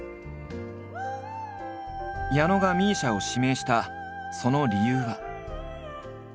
矢野がＭＩＳＩＡを指名したその理由は。